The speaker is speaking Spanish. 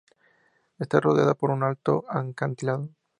Está rodeada por un alto acantilado.